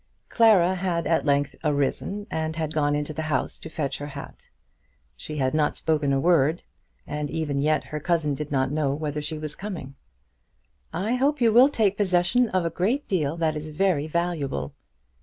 Clara had at length arisen, and had gone into the house to fetch her hat. She had not spoken a word, and even yet her cousin did not know whether she was coming. "I hope you will take possession of a great deal that is very valuable.